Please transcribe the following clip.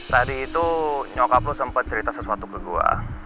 tadi itu nyokap lo sempet cerita sesuatu ke gue